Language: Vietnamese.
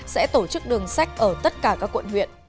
sẽ tổ chức đường sách ở tất cả các quận huyện